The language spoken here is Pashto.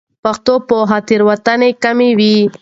پښتو پوهه تېروتنه کموي.